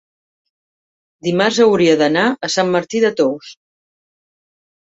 dimarts hauria d'anar a Sant Martí de Tous.